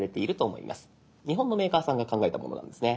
日本のメーカーさんが考えたものなんですね。